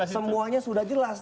semuanya sudah jelas